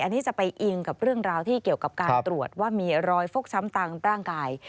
อันนี้จะไปอิงกับเรื่องราวที่เกี่ยวกับการตรวจว่ามีรอยฟกช้ำตามร่างกาย